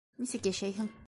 Нисек йәшәйһең?